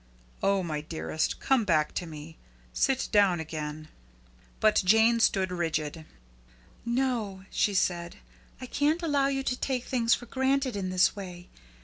Oh, my dearest come back to me. Sit down again." But Jane stood rigid. "No," she said. "I can't allow you to take things for granted in this way.